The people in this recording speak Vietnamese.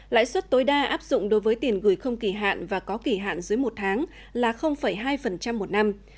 lãi suất tối đa áp dụng đối với tiền gửi không kỳ hạn và có kỳ hạn dưới một tháng là hai một năm